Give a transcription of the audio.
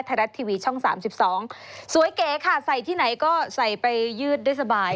ไทยรัฐทีวีช่อง๓๒สวยเก๋ค่ะใส่ที่ไหนก็ใส่ไปยืดได้สบาย